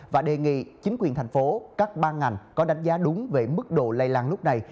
và đề nghị chính quyền thành phố các ban ngành có đánh giá đúng về mức độ lây lan lúc này